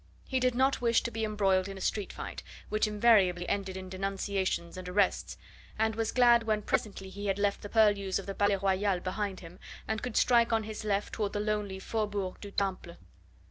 He did not wish to be embroiled in a street fight, which invariably ended in denunciations and arrests, and was glad when presently he had left the purlieus of the Palais Royal behind him, and could strike on his left toward the lonely Faubourg du Temple.